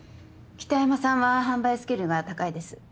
北山さんは販売スキルが高いです。